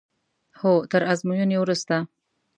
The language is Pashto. هو تر ازموینې وروسته.